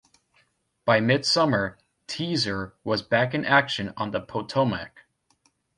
By mid-summer, "Teaser" was back in action on the Potomac.